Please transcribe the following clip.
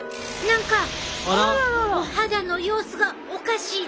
何かお肌の様子がおかしいで！